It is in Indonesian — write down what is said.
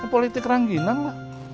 politik ranggineng pak